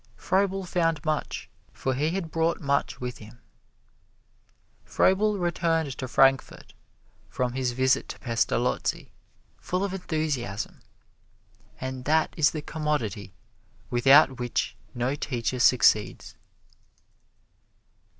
Froebel found much, for he had brought much with him. Froebel returned to Frankfort from his visit to Pestalozzi, full of enthusiasm, and that is the commodity without which no teacher succeeds.